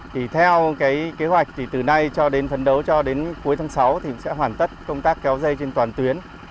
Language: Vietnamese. thì theo cái kế hoạch thì từ nay cho đến phấn đấu cho đến cuối tháng sáu thì sẽ hoàn tất công tác kéo dây trên toàn tuyến